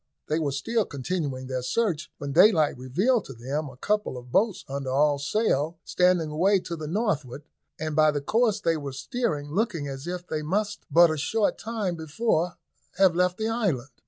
They were still continuing their search, when daylight revealed to them a couple of boats under all sail, standing away to the northward, and by the course they were steering looking as if they must but a short time before have left the island.